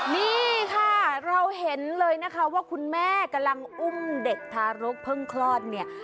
นี่ค่ะเราเห็นเลยนะคะว่าคุณแม่กำลังอุ้มเด็กทารกเพิ่งคลอดเนี่ย